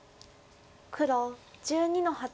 黒１２の八。